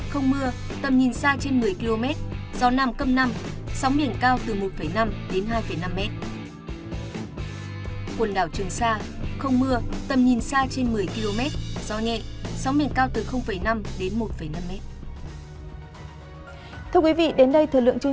không mưa tầm nhìn xa trên một mươi km